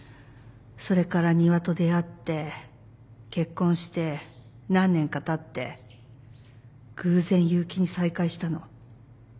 それから仁和と出会って結婚して何年かたって偶然結城に再会したの。